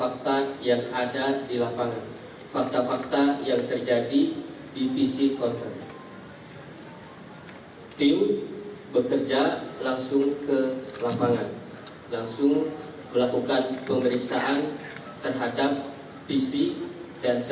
ada di bandara soekarno hartan